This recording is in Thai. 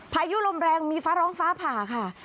พายุลมแรงมีฟ้าร้องฟ้าผ่าค่ะ